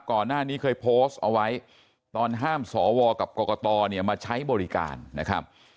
ก่อนหน้านี้เคยโพสต์เอาไว้ตอนห้ามสวกับกรกตเนี่ยมาใช้บริการนะครับ